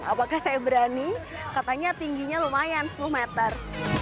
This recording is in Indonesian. apakah saya berani katanya tingginya lumayan sepuluh meter